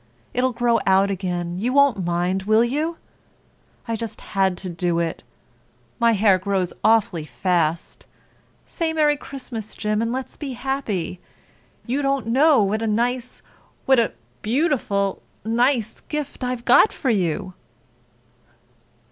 It'll grow out again—you won't mind, will you? I just had to do it. My hair grows awfully fast. Say 'Merry Christmas!' Jim, and let's be happy. You don't know what a nice—what a beautiful, nice gift I've got for you."